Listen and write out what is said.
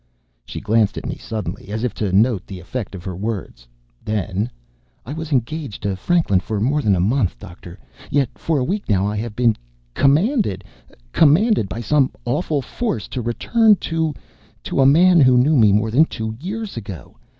She glanced at me suddenly, as if to note the effect of her words. Then: "I was engaged to Franklin for more than a month, Doctor: yet for a week now I have been commanded commanded by some awful force, to return to to a man who knew me more than two years ago.